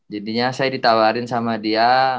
jadinya saya ditawarin sama dia